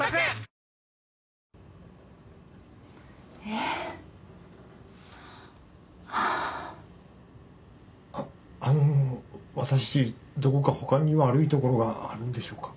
えっあああっあの私どこか他に悪いところがあるんでしょうか？